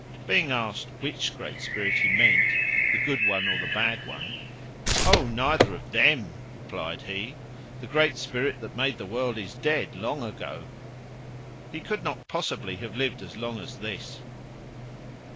Being asked which Great Spirit he meant, the good one or the bad one, "Oh, neither of them," replied he, "the Great Spirit that made the world is dead long ago. He could not possibly have lived as long as this."